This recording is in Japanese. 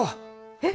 えっ！？